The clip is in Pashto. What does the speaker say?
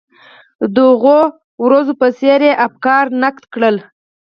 د هغو ورځو په څېر یې افکار نقد کړل.